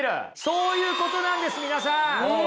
そういうことなんです皆さん。